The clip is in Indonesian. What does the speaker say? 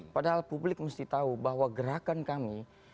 padahal publik mesti tahu bahwa gerakan kami